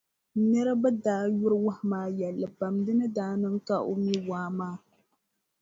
Niriba daa yuri wahu maa yɛlli pam di ni daa niŋ ka o mi waa maa.